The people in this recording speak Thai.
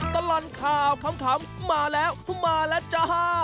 ตลอดข่าวขำมาแล้วมาแล้วจ้า